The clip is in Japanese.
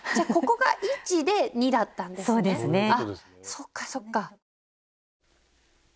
そっかそっか。